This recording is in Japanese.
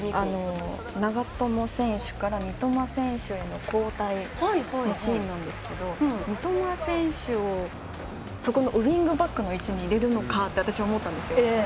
長友選手から三笘選手への交代のシーンなんですが三笘選手をウイングバックの位置に入れるのかと私は思ったんです。